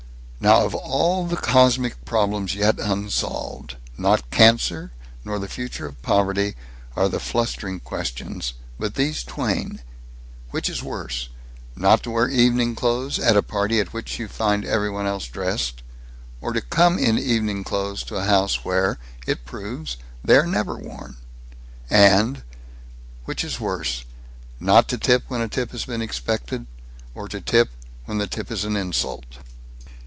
Now of all the cosmic problems yet unsolved, not cancer nor the future of poverty are the flustering questions, but these twain: Which is worse, not to wear evening clothes at a party at which you find every one else dressed, or to come in evening clothes to a house where, it proves, they are never worn? And: Which is worse, not to tip when a tip has been expected; or to tip, when the tip is an insult?